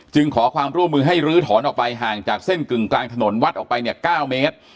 ขอความร่วมมือให้ลื้อถอนออกไปห่างจากเส้นกึ่งกลางถนนวัดออกไปเนี่ย๙เมตร